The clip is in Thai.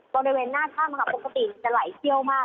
บริเวณหน้าถ้ำค่ะปกติจะไหลเชี่ยวมาก